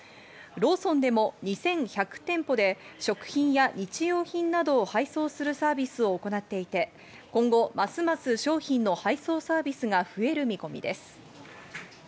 ローソンでも２１００店舗で食品や日用品などを配送するサービスを行っていて、今後ますます商品の配送サービスが増える見込みです。